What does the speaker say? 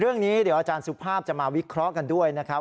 เรื่องนี้เดี๋ยวอาจารย์สุภาพจะมาวิเคราะห์กันด้วยนะครับ